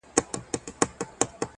زما د زنده گۍ له هر يو درده سره مله وه؛